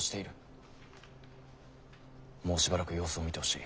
もうしばらく様子を見てほしい。